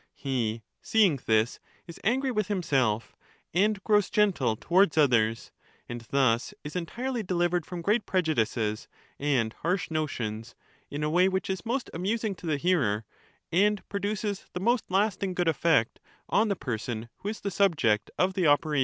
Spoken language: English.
He, seeing this, is angry with himself, and grows gentle towards others, and thus is entirely delivered from great prejudices and harsh notions, in a way which is most amusing to the hearer, and produces the most lasting good effect on the person who is the subject of the operation.